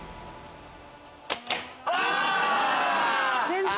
あ！